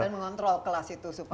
dan mengontrol kelas itu supaya